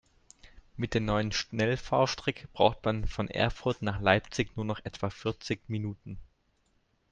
Mit der neuen Schnellfahrstrecke braucht man von Erfurt nach Leipzig nur noch etwa vierzig Minuten